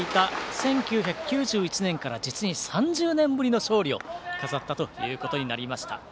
１９９１年から実に３０年ぶりの勝利を飾ったということになりました。